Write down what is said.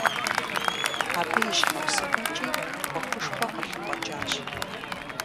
Абы и щхьэусыгъуэкӀи Ӏуэхушхуэ къылъыкъуэкӀащ.